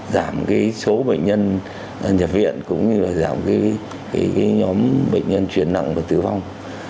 giảm cái số bệnh nhân nhập viện cũng như là giảm cái nhóm bệnh nhân chuyển nặng và tử vong